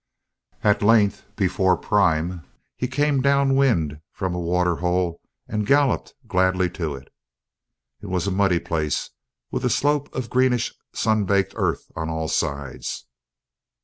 At length, before prime, he came down wind from a water hole and galloped gladly to it. It was a muddy place with a slope of greenish sun baked earth on all sides.